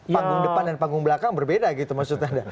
panggung depan dan panggung belakang berbeda gitu maksud anda